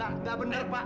enggak benar pak